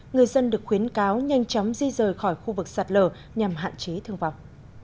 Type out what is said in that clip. người dân được khuyến cáo nhanh chóng di rời khỏi khu vực sạt lở nhằm hạn chế thương vọng